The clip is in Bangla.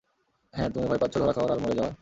হ্যাঁঁ তুমি ভয় পাচ্ছো ধরা খাওয়ার আর মরে যাওয়ার?